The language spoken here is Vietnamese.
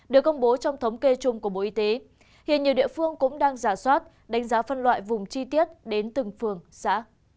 được công bố trong thống kê chung của bộ y tế hiện nhiều địa phương cũng đang giả soát đánh giá phân loại vùng chi tiết đến từng phường xã